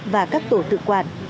và các tổ tự quản